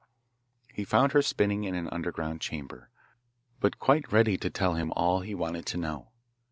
He found her spinning in an underground chamber, but quite ready to tell him all he wanted to know.